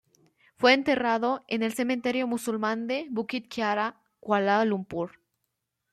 Fue enterrado en el cementerio musulmán de Bukit Kiara, Kuala Lumpur.